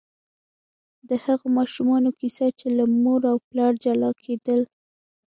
د هغو ماشومانو کیسه چې له مور او پلار جلا کېدل.